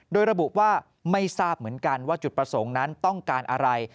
โดยระบุว่าไม่ทราบเหมือนกันว่าจุดประสงค์นั้นต้องการอะไร